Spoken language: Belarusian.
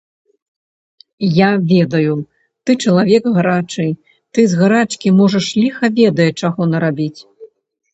Я ведаю, ты чалавек гарачы, ты з гарачкі можаш ліха ведае чаго нарабіць.